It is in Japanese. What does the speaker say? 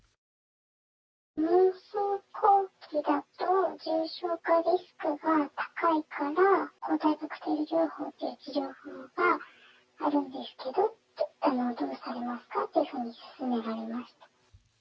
妊娠後期だと、重症化リスクが高いから、抗体カクテル療法っていう治療法があるんですけどって、どうされますかっていうふうに勧められました。